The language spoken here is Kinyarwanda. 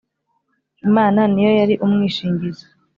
imana niyo yari umwishingizi